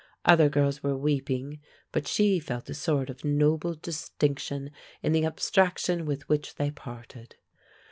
Other girls were weeping, but she felt a sort of noble distinction in the abstraction with which they parted.